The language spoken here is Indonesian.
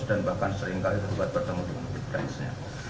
dan bahkan seringkali tergugat bertemu dengan tergugat lainnya